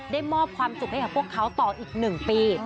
ได้มอบความสุขให้กับพวกเขาต่ออีกหนึ่งปี